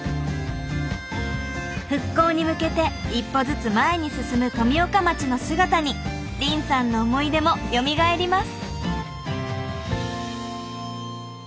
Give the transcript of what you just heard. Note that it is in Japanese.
復興に向けて一歩ずつ前に進む富岡町の姿に凜さんの思い出もよみがえります。